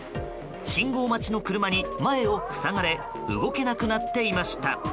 信号待ちの車に前を塞がれ動けなくなっていました。